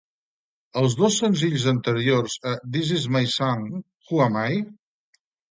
Els dos senzills anteriors a "This is my song", "Who I am?"